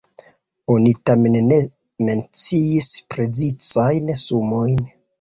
Oni tamen ne menciis precizajn sumojn.